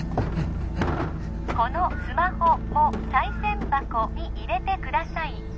このスマホも賽銭箱に入れてください